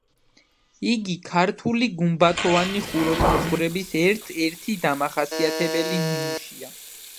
იგი ქართული გუმბათოვანი ხუროთმოძღვრების ერთ-ერთი დამახასიათებელი ნიმუშია.